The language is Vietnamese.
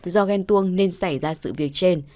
do ghen tuông nên xảy ra sự việc trên